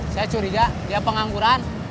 saya curiga dia pengangguran